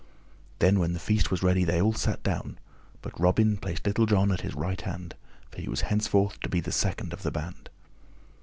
Then when the feast was ready they all sat down, but Robin placed Little John at his right hand, for he was henceforth to be the second in the band.